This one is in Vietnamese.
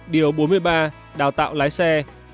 điều bốn mươi ba đào tạo lái xe